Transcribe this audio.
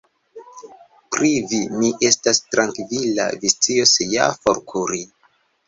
Pri vi, mi estas trankvila: vi scios ja forkuri.